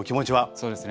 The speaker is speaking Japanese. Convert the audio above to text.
そうですね